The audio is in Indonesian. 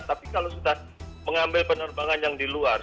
tapi kalau sudah mengambil penerbangan yang di luar